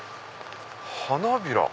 花びら？